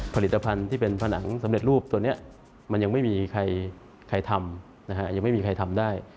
ผลิตภัณฑ์ที่เป็นผนังสำเร็จรูปตัวนี้มันยังไม่มีใครทำได้